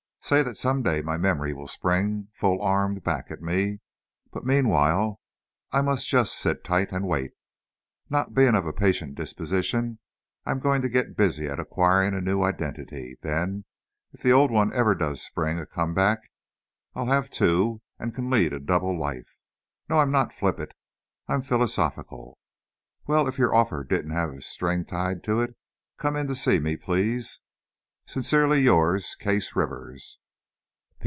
say that some day my memory will spring, full armed, back at me, but meanwhile, I must just sit tight and wait. Not being of a patient disposition, I'm going to get busy at acquiring a new identity, then, if the old one ever does spring a come back, I'll have two, and can lead a double life! No, I'm not flippant, I'm philosophical. Well, if your offer didn't have a string tied to it come in to see me, please. Sincerely yours, Case Rivers.